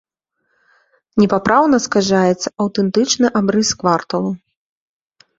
Непапраўна скажаецца аўтэнтычны абрыс кварталу.